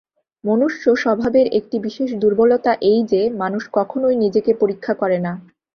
মনুষ্য-স্বভাবের একটি বিশেষ দুর্বলতা এই যে, মানুষ কখনই নিজেকে পরীক্ষা করে না।